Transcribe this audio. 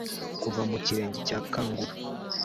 kuva mu kirenge cya kanguru